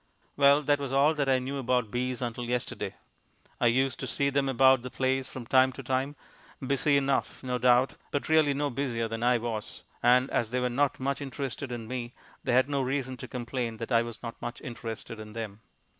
Well, that was all that I knew about bees until yesterday. I used to see them about the place from time to time, busy enough, no doubt, but really no busier than I was; and as they were not much interested in me they had no reason to complain that I was not much interested in them.